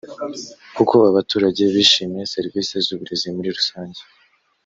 uko abaturage bishimiye serivisi z’uburezi muri rusange